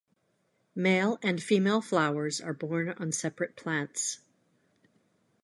Male and female flowers are borne on separate plants.